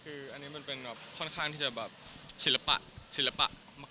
คืออันนี้มันเป็นแบบค่อนข้างที่จะแบบศิลปะศิลปะมาก